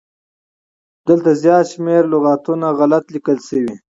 دلته زيات شمېر لغاتونه غلت ليکل شوي